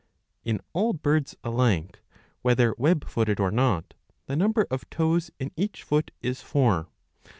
^^ In all birds alike, whether web footed or not, the number of toes " in each foot is four.